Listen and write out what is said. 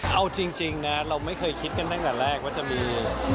เอาจริงนะเราไม่เคยคิดกันตั้งแต่แรกว่าจะมี